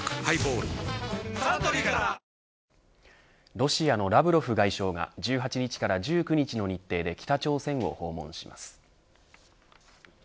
ロシアのラブロフ外相が１８日から１９日の日程で北朝鮮を訪問します。